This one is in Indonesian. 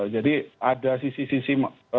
jadi ada sisi sisi